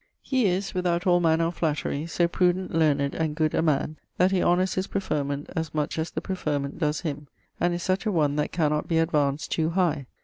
_> He is (without all manner of flattery) so prudent, learned, and good a man, that he honours his preferment as much as the preferment does him; and is such a one that cannot be advanced too high.